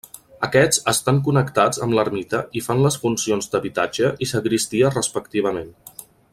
Aquests estan connectats amb l'ermita i fan les funcions d'habitatge i sagristia respectivament.